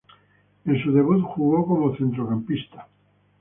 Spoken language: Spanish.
En su debut jugó como centrocampista.